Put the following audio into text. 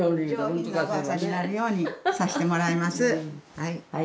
はい。